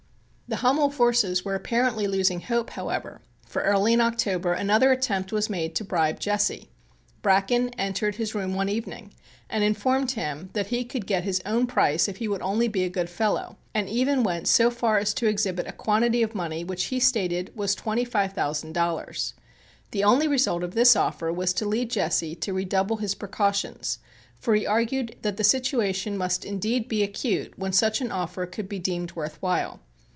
The Hummel forces were apparently losing hope, however, for early in October another attempt was made to bribe Jesse. Bracken entered his room one evening and informed him that he could get his own price if he would only be a good fellow, and even went so far as to exhibit a quantity of money which he stated was twenty five thousand dollars. The only result of this offer was to lead Jesse to redouble his precautions, for he argued that the situation must indeed be acute when such an offer could be deemed worth while.